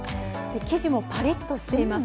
生地もパリッとしています。